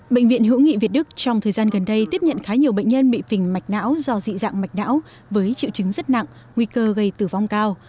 bệnh viện hữu nghị việt đức trong thời gian gần đây tiếp nhận khá nhiều bệnh nhân bị phình mạch não do dị dạng mạch não với triệu chứng rất nặng nguy cơ gây tử vong cao